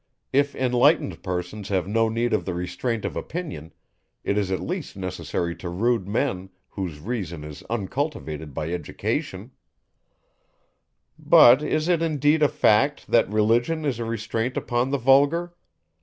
If enlightened persons have no need of the restraint of opinion, it is at least necessary to rude men, whose reason is uncultivated by education_. But, is it indeed a fact, that religion is a restraint upon the vulgar?